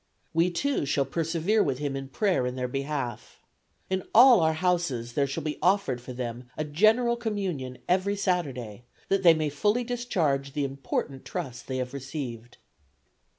We, too, shall persevere with him in prayer in their behalf. In all our Houses there shall be offered for them a General Communion every Saturday, that they may fully discharge the important trust they have received."